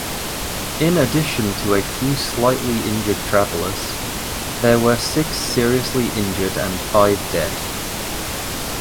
In addition to a few slightly injured travelers, there were six seriously injured and five dead.